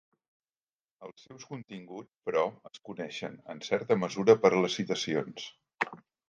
Els seus continguts, però, es coneixen, en certa mesura per les citacions.